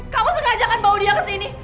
kamu sengajakan bawa dia kesini